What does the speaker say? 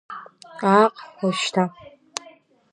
Ааҟ, уажәшьҭа…